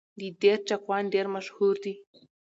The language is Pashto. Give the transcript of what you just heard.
د دير چاکوان ډېر مشهور دي